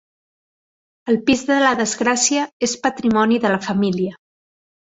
El pis de la desgràcia és patrimoni de la família.